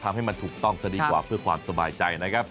ทำให้มันถูกต้องซะดีกว่าเพื่อความสบายใจนะครับ